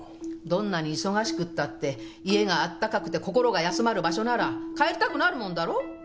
どんなに忙しくったって家があったかくて心が休まる場所なら帰りたくなるもんだろ？